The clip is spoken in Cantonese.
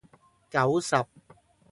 九十